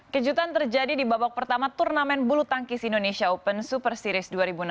kejutan terjadi di babak pertama turnamen bulu tangkis indonesia open super series dua ribu enam belas